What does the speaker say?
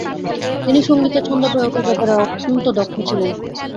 তিনি সংগীতে ছন্দ প্রয়োগের ব্যাপারে অত্যন্ত দক্ষ ছিলেন।